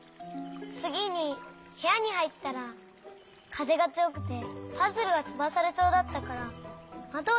つぎにへやにはいったらかぜがつよくてパズルがとばされそうだったからまどをしめようとしたの。